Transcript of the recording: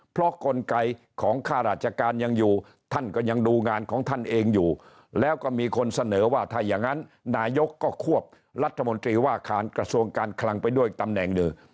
เพราะกลไกของค่าราชการยังอยู่ท่านก็ยังดูงานของท่านเองอยู่แล้วก็มีคนเสนอว่าถ้าอย่างนั้นนายกก็ควบรัฐมนตรีว่าการกระทรวงการคลังไปด้วยตำแหน่งหนึ่ง